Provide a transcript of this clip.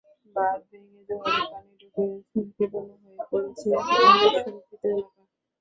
বাঁধ ভেঙে জোয়ারের পানি ঢুকে ঝুঁকিপূর্ণ হয়ে পড়েছে অনেক সুরক্ষিত এলাকা।